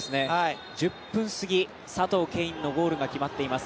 １０分過ぎ、佐藤恵允のゴールが決まっています。